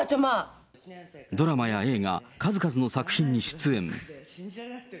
ドラマや映画、数々の作品に出演。